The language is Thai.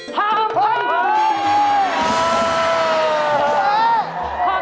พร้อมค่ะ